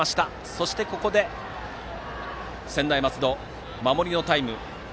そして、ここで専大松戸は守りのタイム。